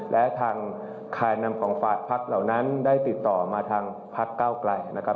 และทางคลายนำของฝากพักเหล่านั้นได้ติดต่อมาทางพักเก้าไกลนะครับ